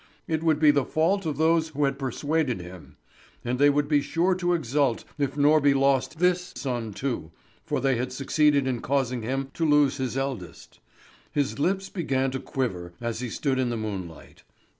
It would be the fault of those who had persuaded him; and they would be sure to exult if Norby lost this son too, for they had succeeded in causing him to lose his eldest. His lips began to quiver as he stood in the moonlight.